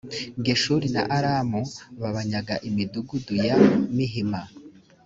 geshuri na aramu babanyaga imidugudu ya mihima